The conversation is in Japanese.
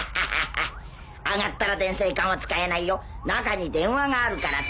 あがったら伝声管は使えないよ中に電話があるから。